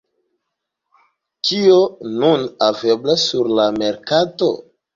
Kio nun haveblas sur la merkato?